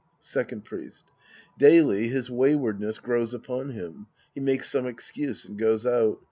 Second Priest. Daily his waywardness grows upon him. He makes some excuse and goes out.